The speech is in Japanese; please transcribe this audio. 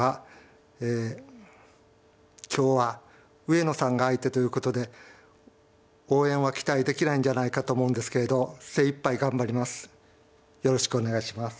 今日は上野さんが相手ということで応援は期待できないんじゃないかと思うんですけれど精いっぱい頑張ります。